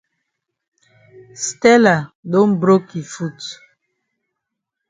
Stella don broke yi foot.